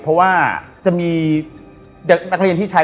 เพราะว่าหนักเลี้ยนที่ใช้